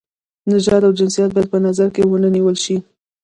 نژاد او جنسیت باید په نظر کې ونه نیول شي.